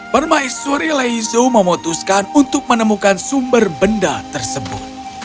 permaisuri leisu memutuskan untuk menemukan sumber benda tersebut